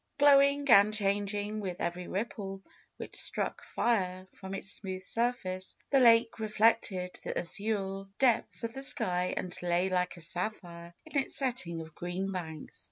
Glowing and chang ing with every ripple which struck fire from its smooth surface, the lake reflected the azure depths of the sky and lay like a sapphire in its setting of green banks.